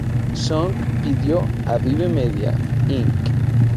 Song pidió a Vibe Media, Inc.